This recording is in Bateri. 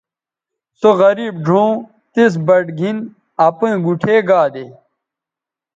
سو غریب ڙھؤں تِس بَٹ گِھن اپیئں گُوٹھے گا دے